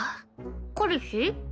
彼氏？